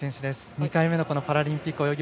２回目のパラリンピック泳ぎ